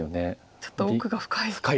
ちょっと奥が深い。